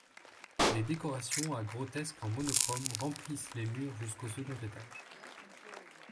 Des décorations à grotesques en monochrome remplissent les murs jusqu'au second étage.